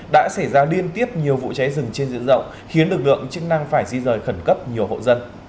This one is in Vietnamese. đã xảy ra liên tiếp nhiều vụ cháy rừng trên diện rộng khiến lực lượng chức năng phải di rời khẩn cấp nhiều hộ dân